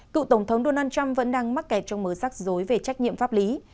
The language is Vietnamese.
cựu tổng thống donald trump vẫn đang mắc kẹt trong mờ rắc rối về trách nhiệm pháp lý